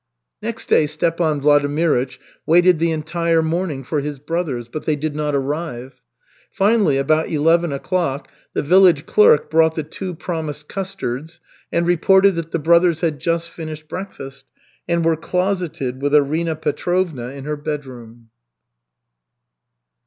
Next day Stepan Vladimirych waited the entire morning for his brothers, but they did not arrive. Finally, about eleven o'clock, the village clerk brought the two promised custards and reported that the brothers had just finished breakfast and were closeted with Arina Petrovna in her bedroom.